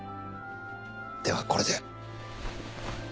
ではこれで。